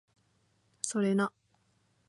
それな